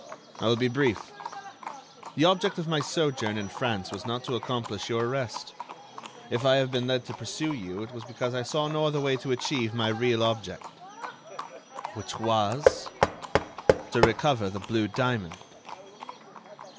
"I will be brief. The object of my sojourn in France was not to accomplish your arrest. If I have been led to pursue you, it was because I saw no other way to achieve my real object." "Which was?" "To recover the blue diamond."